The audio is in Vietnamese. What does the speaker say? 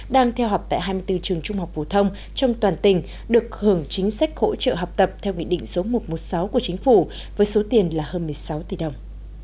đang theo học tại hai mươi bốn trường trung học phổ thông trong toàn tỉnh được hưởng chính sách hỗ trợ học tập theo nghị định số một trăm một mươi sáu của chính phủ với số tiền là hơn một mươi sáu tỷ đồng